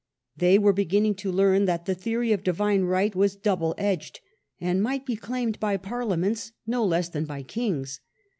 They were beginning to learn that the theory of Divine right was double edged, and might be claimed by parliaments no less than by kings.